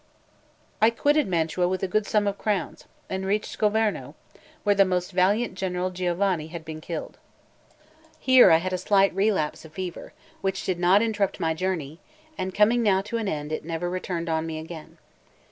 I quitted Mantua with a good sum of crowns, and reached Governo, where the most valiant general Giovanni had been killed. Here I had a slight relapse of fever, which did not interrupt my journey, and coming now to an end, it never returned on me again.